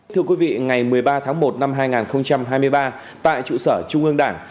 thưa quý vị ngày một mươi ba tháng một năm hai nghìn hai mươi ba tại trụ sở trung ương đảng